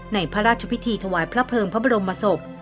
ในพระราชพิธีถวายพระเพิงพระบรมมสมบทน์